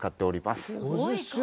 すごい数。